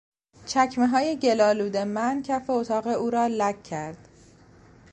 چکمههای گلآلود من کف اتاق او را لک کرد.